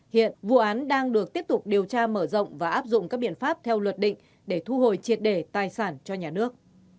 hiện vụ án đang được tiếp tục điều tra mở rộng và áp dụng các biện pháp theo luật định để thu hồi triệt đề tài sản cho nhà nước